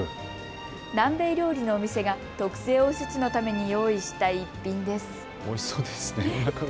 南米料理のお店が特製おせちのために用意した一品です。